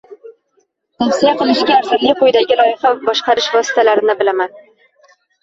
Tavsiya qilishga arzirli quyidagi loyiha boshqarish vositalarini bilaman